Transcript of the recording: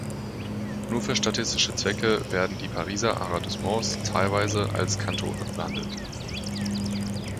Nur für statistische Zwecke werden die Pariser Arrondissements teilweise als Kantone behandelt.